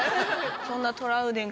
そんなトラウデン